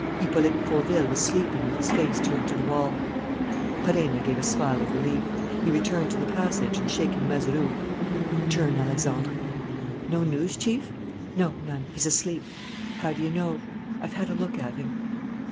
Hippolyte Fauville was sleeping with his face turned to the wall. Perenna gave a smile of relief. He returned to the passage and, shaking Mazeroux: "Your turn, Alexandre." "No news, Chief?" "No, none; he's asleep." "How do you know?" "I've had a look at him."